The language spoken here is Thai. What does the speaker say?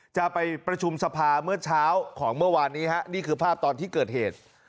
จะไปประชุมสภาเมื่อเช้าของเมื่อวานนี้ฮะนี่คือภาพตอนที่เกิดเหตุ